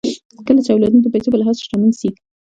کله چې اولادونه د پيسو په لحاظ شتمن سي